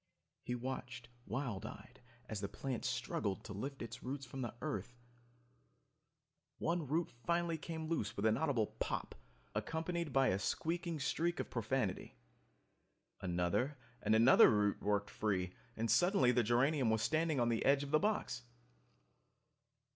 He watched wild eyed as the plant struggled to lift its roots from the earth ... One root finally came loose with an audible POP, accompanied by a squeaking streak of profanity. Another and another root worked free, and suddenly the geranium was standing on the edge of the box.